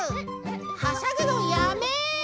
はしゃぐのやめ！